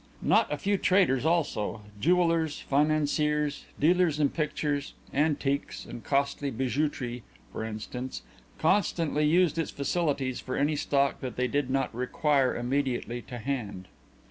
Not a few traders also jewellers, financiers, dealers in pictures, antiques and costly bijouterie, for instance constantly used its facilities for any stock that they did not requite immediately to hand.